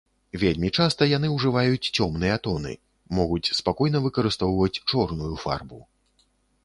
Вельмі часта яны ўжываюць цёмныя тоны, могуць спакойна выкарыстоўваць чорную фарбу.